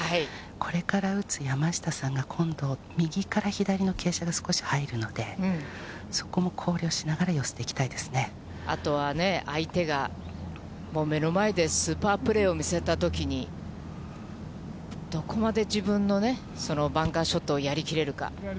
これから打つ山下さんが今度、右から左の傾斜が少し入るので、そこも考慮しながら、あとはね、相手が目の前でスーパープレーを見せたときに、どこまで自分のね、バンカーショットをやりきれるか。